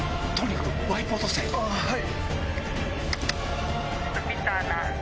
はい。